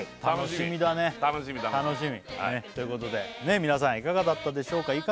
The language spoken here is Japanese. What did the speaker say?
楽しみ楽しみということで皆さんいかがだったでしょうか？